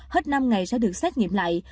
hết năm ngày sẽ được xét nghiệm lại